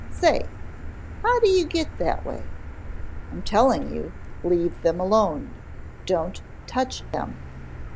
"Say, how do you get that way?" "I'm telling you, let them alone, don't touch 'em."